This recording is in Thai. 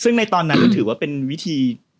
ซึ่งในตอนนั้นถือว่าเป็นวิธี